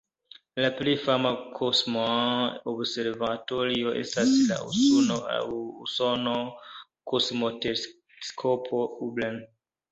La plej fama kosma observatorio estas la usona Kosmoteleskopo Hubble.